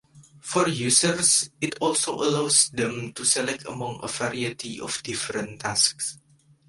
For users, it also allows them to select among a variety of different tasks.